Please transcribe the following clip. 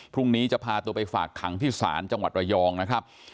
พรุ่งนี้จะพาตัวไปฝากขังที่ศาลจังหวัดระยองนะครับ